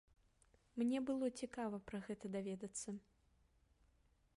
Мне было цікава пра гэта даведацца.